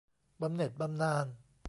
บำเหน็จบำนาญ